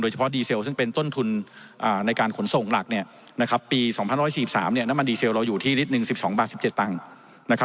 เฉพาะดีเซลซึ่งเป็นต้นทุนในการขนส่งหลักปี๒๑๔๓น้ำมันดีเซลเราอยู่ที่ลิตรหนึ่ง๑๒บาท๑๗ตังค์